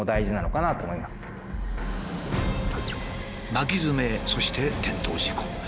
巻きヅメそして転倒事故。